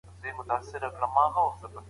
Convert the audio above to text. يو کال وروسته کلي بدل شوی.